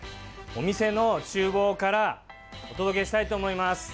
お店の厨房からお届けしたいと思います。